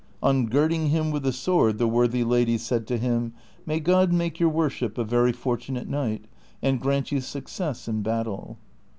On girding him with the sword the worthy lady said to him, " May God make your worship a very fortunate knight, and grant you success in battle."